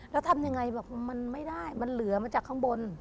แล้วทำยังไงแบบมันไม่ได้มันเหลือมาจากข้างบน